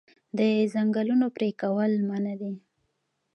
د ځنګلونو پرې کول منع دي.